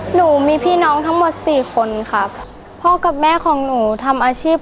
หนูมีพี่น้องทั้งหมดสี่คนครับพ่อกับแม่ของหนูทำอาชีพ